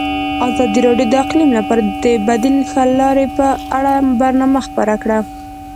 ازادي راډیو د اقلیم لپاره د بدیل حل لارې په اړه برنامه خپاره کړې.